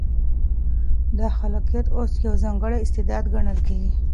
خلاقیت اوس یو ځانګړی استعداد ګڼل کېږي.